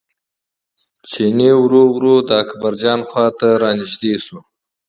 چیني ورو ورو د اکبرجان خواته را نژدې شو.